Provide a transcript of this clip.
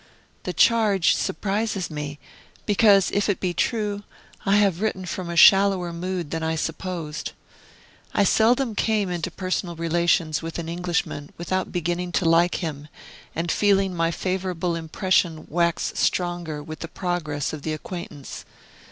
The charge surprises me, because, if it be true, I have written from a shallower mood than I supposed. I seldom came into personal relations with an Englishman without beginning to like him, and feeling my favorable impression wax stronger with the progress of the acquaintance.